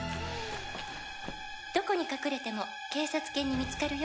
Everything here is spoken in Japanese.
「どこに隠れても警察犬に見つかるよ」